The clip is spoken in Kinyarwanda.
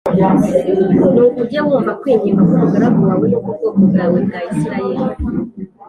Nuko ujye wumva kwinginga k’umugaragu wawe n’uk’ubwoko bwawe bwa Isirayeli